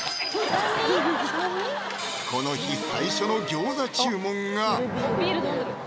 この日最初の餃子注文が！